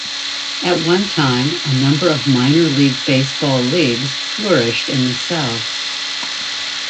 At one time a number of minor league baseball leagues flourished in the South.